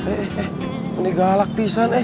eh eh ini galak pisan eh